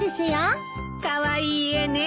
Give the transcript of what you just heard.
カワイイ絵ね。